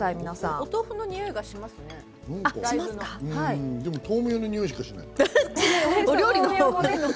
お豆腐のにおいがしますね、大豆の。